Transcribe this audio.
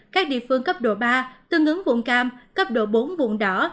các địa phương cấp độ ba tương ứng vùng cam cấp độ bốn vùng đỏ